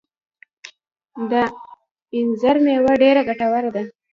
د انځر مېوه ډیره ګټوره ده